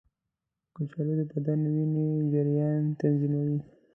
کچالو د بدن وینې جریان تنظیموي.